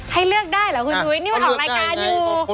ให้เลือกได้เหรอคุณชุวิตนี่มันออกรายการอยู่